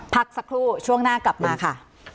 พักสักครู่ช่วงหน้ากลับมาค่ะ